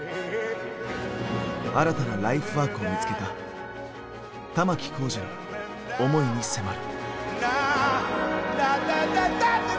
新たなライフワークを見つけた玉置浩二の思いに迫る。